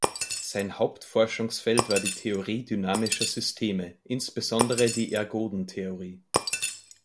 Sein Haupt-Forschungsfeld war die Theorie dynamischer Systeme, insbesondere die Ergodentheorie.